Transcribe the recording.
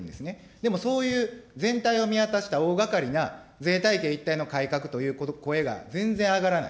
でもそういう全体を見渡した大がかりな税体系一体の改革という声が全然上がらない。